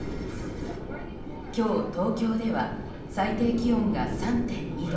今日、東京では最低気温が３．２度。